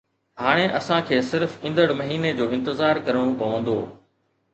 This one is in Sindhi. هاڻي اسان کي صرف ايندڙ مهيني جو انتظار ڪرڻو پوندو